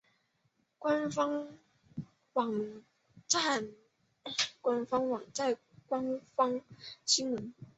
官方网站官方新闻